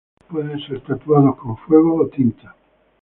Pueden ser tatuados con fuego o tinta.